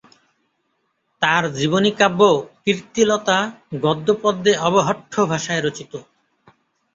তাঁর জীবনীকাব্য কীর্তিলতা গদ্যেপদ্যে অবহট্ঠ ভাষায় রচিত।